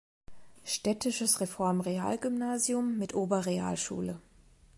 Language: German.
Städtisches Reformrealgymnasium mit Oberrealschule".